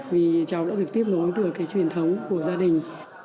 vì cháu đã được tiếp nối từ cái truyền thống của gia đình